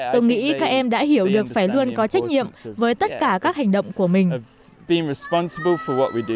tôi nghĩ các em đã hiểu được phải luôn có trách nhiệm với tất cả các hành động của mình